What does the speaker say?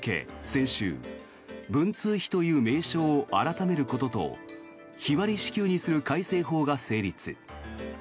先週文通費という名称を改めることと日割り支給にする改正法が成立。